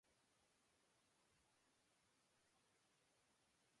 Ken menginginkan sebuah sepeda.